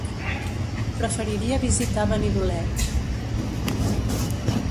Preferiria visitar Benidoleig.